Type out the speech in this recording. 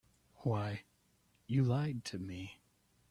Why, you lied to me.